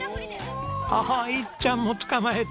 ああいっちゃんも捕まえた。